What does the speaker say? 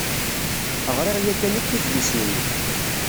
Ɣriɣ yakan akk idlisen-nni.